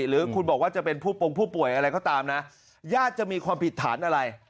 หรือคุณบอกว่าจะเป็นผู้ปงผู้ป่วยอะไรก็ตามนะญาติจะมีความผิดฐานอะไร